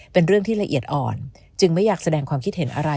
เป็นเรื่องที่ละเอียดอ่อนจึงไม่อยากแสดงความคิดเห็นอะไร